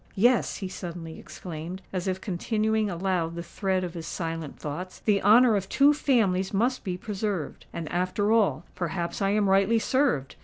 "Yes," he suddenly exclaimed, as if continuing aloud the thread of his silent thoughts,—"the honour of two families must be preserved! And, after all,—perhaps I am rightly served!